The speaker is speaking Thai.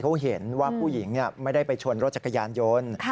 เขาเห็นว่าผู้หญิงไม่ได้ไปชนรถจักรยานยนต์